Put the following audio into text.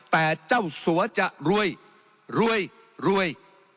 แต่เจ้าสัวจะรวยรวยรวย